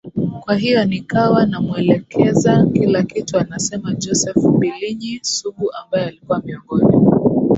kwa hiyo nikawa namuelekeza kila kitu anasema Joseph Mbilinyi Sugu ambaye alikuwa miongoni